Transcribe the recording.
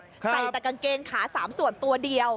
ใส่แต่กางเกงขา๓ส่วนตัวเดียว